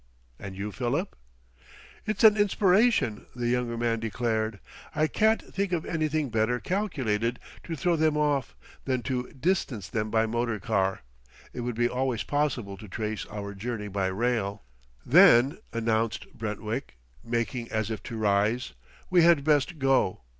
"And you, Philip?" "It's an inspiration," the younger man declared. "I can't think of anything better calculated to throw them off, than to distance them by motor car. It would be always possible to trace our journey by rail." "Then," announced Brentwick, making as if to rise, "we had best go.